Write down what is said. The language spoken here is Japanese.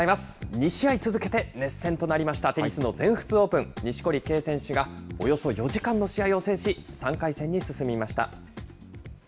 ２試合続けて熱戦となりました、テニスの全仏オープン、錦織圭選手が、およそ４時間の試合を制し、３回戦に進みました。